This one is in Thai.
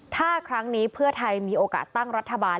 ถ้าครั้งนี้เพื่อไทยมีโอกาสตั้งรัฐบาล